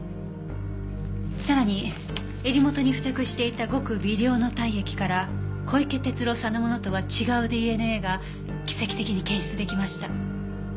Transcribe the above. さらに襟元に付着していたごく微量の体液から小池鉄郎さんのものとは違うＤＮＡが奇跡的に検出できました。